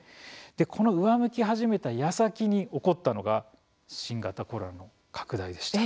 この上向き始めたやさきに起こったのが新型コロナの拡大でした。